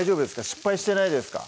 失敗してないですか？